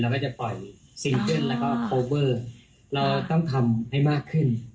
ก็จะปล่อยซิงเกิ้ลแล้วก็โคเวอร์เราต้องทำให้มากขึ้น